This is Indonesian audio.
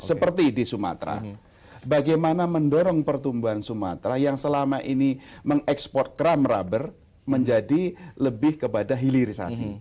seperti di sumatera bagaimana mendorong pertumbuhan sumatera yang selama ini mengekspor cram rubber menjadi lebih kepada hilirisasi